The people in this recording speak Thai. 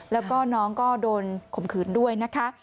แล้วก็น้องก็โดนข่มขืนด้วยนะคะ